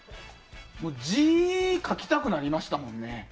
字、書きたくなりましたもんね。